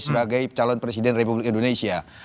sebagai calon presiden republik indonesia